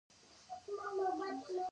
هغوی په دې عقیده وو چې دا شیان قدرت لري